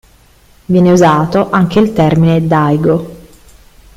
Viene usato anche il termine "Daigo".